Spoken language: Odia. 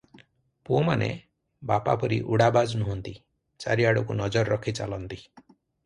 ପୁଅମାନେ ବାପା ପରି ଉଡ଼ାବାଜ ନୁହନ୍ତି, ଚାରିଆଡ଼କୁ ନଜର ରଖି ଚାଲନ୍ତି ।